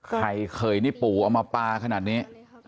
ใครเคยนี่ปู่เอามาปลาขนาดนี้